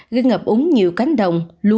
gây ngập úng nhiều cánh đồng lúa hoa màu ở vùng hạ du